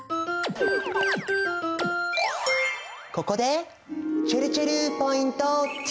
ここでちぇるちぇるポイント２！